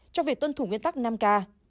cho việc tuân thủ nguyên tắc năm k